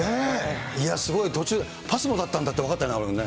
いや、すごい、途中でＰＡＳＭＯだったんだって分かったよね、中丸君ね。